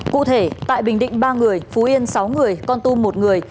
cụ thể tại bình định ba người phú yên sáu người con tum một người